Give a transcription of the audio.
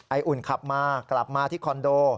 อุ่นขับมากลับมาที่คอนโด